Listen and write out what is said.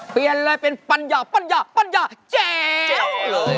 เปลี่ยนเลยเป็นปัญญาแจ๋วเลยครับ